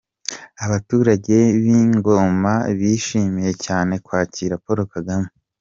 Abaturage b'i Ngoma bishimiye cyane kwakira Paul Kagame.